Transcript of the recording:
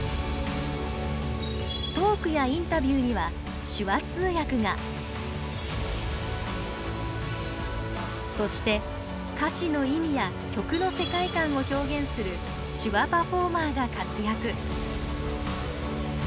トークやインタビューにはそして歌詞の意味や曲の世界観を表現する手話パフォーマーが活躍。